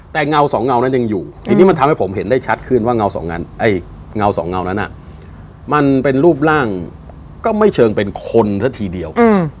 แต่เงาสองเงานั้นยังอยู่ทีนี้มันทำให้ผมเห็นได้ชัดขึ้นว่าเงาสองเงานั้นมันเป็นรูปร่างก็ไม่เชิงเป็นคนซะทีเดียว